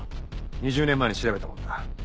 ２０年前に調べたものだ。